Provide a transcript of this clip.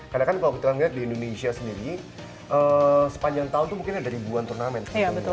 karena kan kalau kita lihat di indonesia sendiri sepanjang tahun itu mungkin ada ribuan turnamen